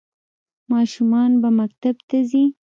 ماشومان به مکتب ته ځي؟